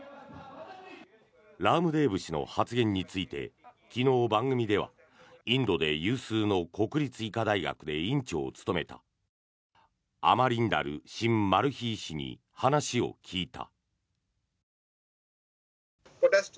ラームデーブ氏の発言について昨日、番組ではインドで有数の国立医科大学で院長を務めたアマリンダル・シン・マルヒ医師に話を聞いた。